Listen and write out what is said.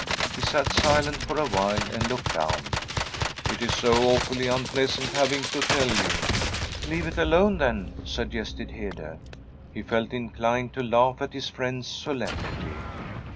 He sat silent for a while, and looked down. ' It is so awfully unpleasant having to tell you.' ' Leave it alone, then,' suggested Hede. He felt inclined to laugh at his friend's solem nity.